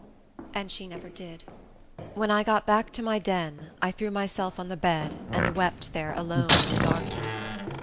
And she never did. When I got back to my den, I threw myself on the bed and wept there alone in the darkness.